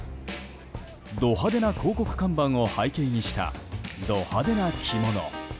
ド派手な広告看板を背景にしたド派手な着物。